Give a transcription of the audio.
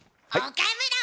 岡村！